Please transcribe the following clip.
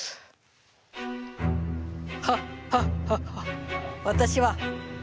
ハッハッハッハッ！